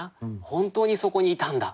本当にそこにいたんだ